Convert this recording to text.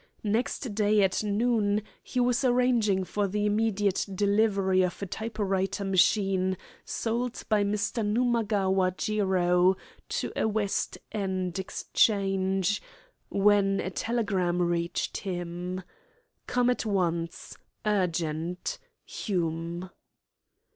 Next day at noon he was arranging for the immediate delivery of a type writer machine, sold by Mr. Numagawa Jiro to a West End exchange, when a telegram reached him: "Come at once. Urgent. HUME."